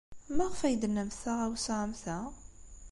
Maɣef ay d-tennamt taɣawsa am ta?